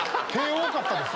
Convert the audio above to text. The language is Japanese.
多かったですよ。